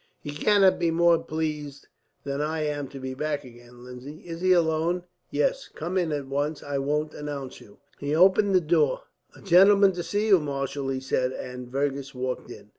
"He cannot be more pleased than I am to be back again, Lindsay. Is he alone?" "Yes. Come in at once. I won't announce you." He opened the door. "A gentleman to see you, marshal," he said, and Fergus walked in.